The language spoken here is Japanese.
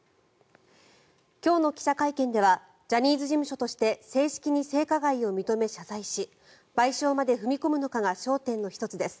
今日の記者会見ではジャニーズ事務所として正式に性加害を認め、謝罪し賠償まで踏み込むのかが焦点の１つです。